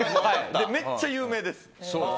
めっちゃ有名です。